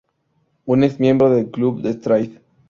Un ex-miembro del club de Stride.